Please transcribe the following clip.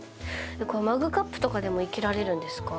マグカップとかでも生けられるんですか？